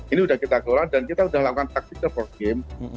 ini sudah kita kelola dan kita sudah lakukan taktik the for game